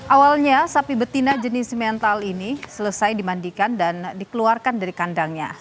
awalnya sapi betina jenis simental ini selesai dimandikan dan dikeluarkan dari kandangnya